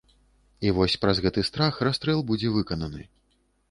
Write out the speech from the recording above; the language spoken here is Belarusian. І вось праз гэты страх расстрэл будзе выкананы.